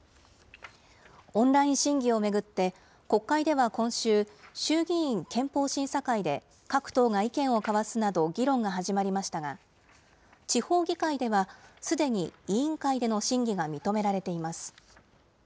オンライン審議を巡って、国会では今週、衆議院憲法審査会で各党が意見を交わすなど、議論が始まりましたが、地方議会ではすでに委員会での審議が認められています。